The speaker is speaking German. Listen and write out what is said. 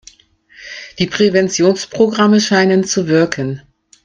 Die Präventionsprogramme scheinen zu wirken.